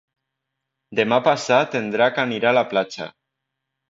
Demà passat en Drac anirà a la platja.